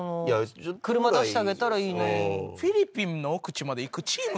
車出してあげたらいいのに。